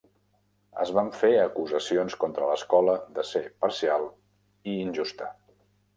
Es van fer acusacions contra l'escola de ser parcial i "injusta".